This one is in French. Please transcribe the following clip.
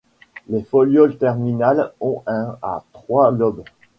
Les folioles terminales ont un à trois lobes.